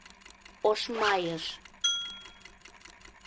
Ошмайыш...